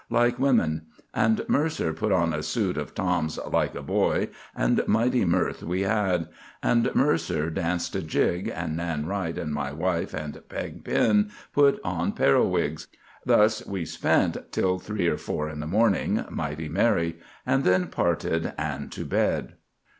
like women; and Mercer put on a suit of Tom's like a boy, and mighty mirth we had; and Mercer danced a jig, and Nan Wright and my wife and Pegg Pen put on periwigs. Thus we spent till three or four in the morning, mighty merry; and then parted and to bed."